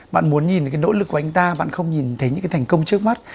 bạn muốn nhìn thấy cái nỗ lực của anh ta bạn không nhìn thấy những cái thành công trước mắt